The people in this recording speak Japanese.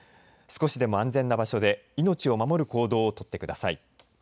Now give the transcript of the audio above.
少しでも安全な場所で命を守る行動を取ってください。